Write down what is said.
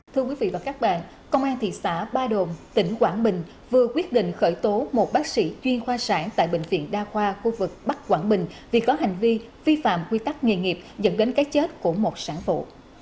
thưa quý vị và các bạn công an thị xã ba đồn tỉnh quảng bình vừa quyết định khởi tố một bác sĩ chuyên khoa sản tại bệnh viện đa khoa khu vực bắc quảng bình vì có hành vi vi phạm quy tắc nghề nghiệp dẫn đến cái chết của một sản phụ